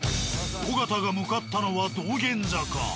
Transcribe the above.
尾形が向かったのは道玄坂。